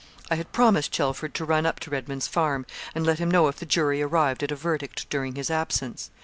I had promised Chelford to run up to Redman's Farm, and let him know if the jury arrived at a verdict during his absence.